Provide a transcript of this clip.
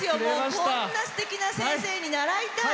こんな、すてきな先生に習いたい。